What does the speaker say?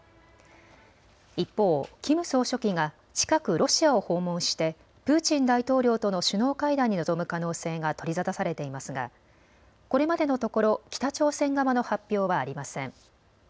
一方、キム総書記が近くロシアを訪問してプーチン大統領との首脳会談に臨む可能性が取り沙汰されていますがこれまでのところ北朝鮮側の発表はありません。